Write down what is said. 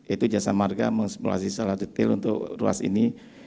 itu jasa marga mengimplulasi salah detail untuk ruas ini